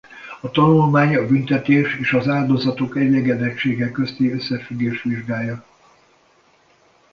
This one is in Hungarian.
A tanulmány a büntetés és az áldozatok elégedettsége közti összefüggést vizsgálja.